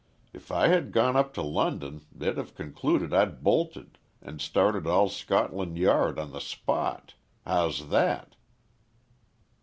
If I had gone up to London they'd have concluded I'd bolted, and started all Scotland Yard on the spot. How's that?"